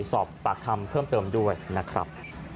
สอบปากคำเพิ่มเติมด้วยนะครับ